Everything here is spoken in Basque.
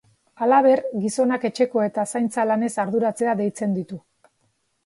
Halaber, gizonak etxeko eta zaintza lanez arduratzera deitzen ditu.